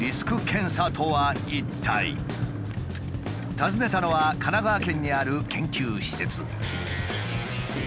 訪ねたのは神奈川県にある研究施設。